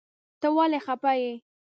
ته ولی خپه یی ؟